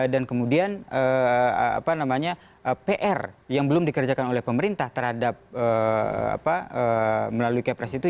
dan kemudian pr yang belum dikerjakan oleh pemerintah terhadap melalui kepres itu